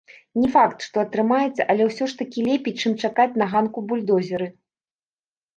Не факт, што атрымаецца, але ўсё ж лепей, чым чакаць на ганку бульдозеры.